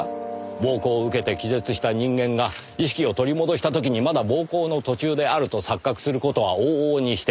暴行を受けて気絶した人間が意識を取り戻した時にまだ暴行の途中であると錯覚する事は往々にしてある事。